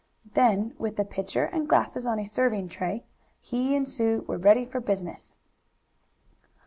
Then with the pitcher and glasses on a serving tray, he and Sue were ready for business.